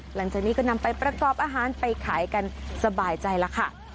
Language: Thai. หลังจากนี้ก็นำไปประกอบอาหารไปขายกันสบายใจแล้วค่ะ